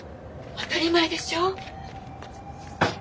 当たり前でしょ。